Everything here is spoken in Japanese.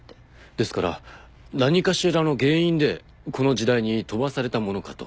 ですから何かしらの原因でこの時代に飛ばされたものかと。